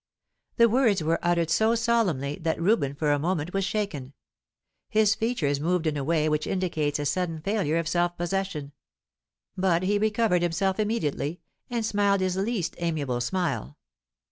The words were uttered so solemnly that Reuben for a moment was shaken; his features moved in a way which indicates a sudden failure of self possession. But he recovered himself immediately, and smiled his least amiable smile.